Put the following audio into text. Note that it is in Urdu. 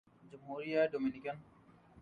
جمہوریہ ڈومینیکن